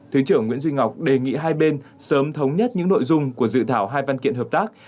thứ trưởng nguyễn duy ngọc đề nghị hai bên sớm thống nhất những nội dung của dự thảo hai văn kiện hợp tác